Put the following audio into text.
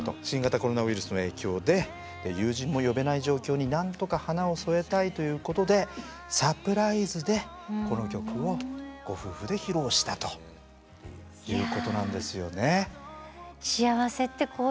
新型コロナウイルスの影響で友人も呼べない状況になんとか花を添えたいということでサプライズでこの曲をご夫婦で披露したということなんですよね。